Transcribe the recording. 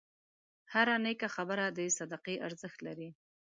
هره نیکه خبره د صدقې ارزښت لري.